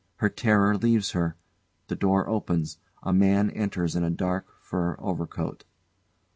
Her terror leaves her. The door opens; a man enters in a dark, fur overcoat.